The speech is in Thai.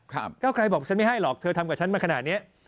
ก้าวไกลบอกฉันไม่ให้หรอกเธอทำกับฉันมาขนาดนี้